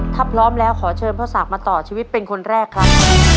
ถ้าพร้อมแล้วขอเชิญพ่อศักดิ์มาต่อชีวิตเป็นคนแรกครับ